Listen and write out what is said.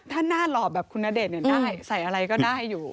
ถ้าหน้าหลอบแบบคุณณเดชน์อย่างนั้นได้ใส่อะไรก็ได้อยู่